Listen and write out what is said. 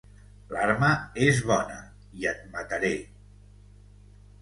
L'arma és bona, i et mataré.